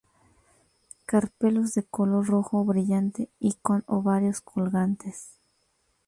Carpelos de color rojo brillante y con ovarios colgantes.